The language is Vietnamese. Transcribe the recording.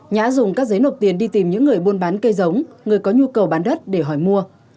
nhã dùng các giấy nộp tiền đi tìm những người buôn bán cây giống người có nhu cầu bán đất để hỏi mua